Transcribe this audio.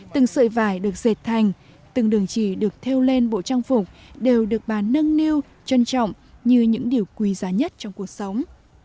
từng sợi vải được dệt thành từng đường chỉ được theo lên bộ trang phục đều được bà nâng niu trân trọng như những điều quý giá nhất trong cuộc sống